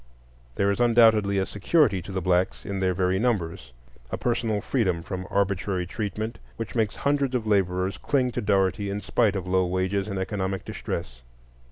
There is undoubtedly a security to the blacks in their very numbers,—a personal freedom from arbitrary treatment, which makes hundreds of laborers cling to Dougherty in spite of low wages and economic distress.